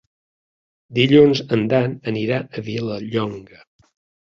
Dilluns en Dan anirà a Vilallonga.